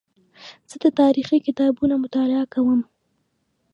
زه د تاریخي کتابونو مطالعه کوم.